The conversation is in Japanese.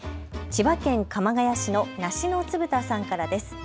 千葉県鎌ケ谷市の梨のつぶ太さんからです。